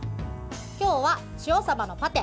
今日は塩さばのパテ。